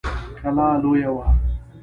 کلا لويه وه.